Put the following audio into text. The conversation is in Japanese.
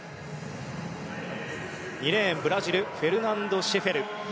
２レーン、ブラジルフェルナンド・シェフェル。